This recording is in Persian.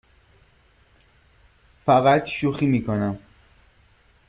فقط شوخی می کنم.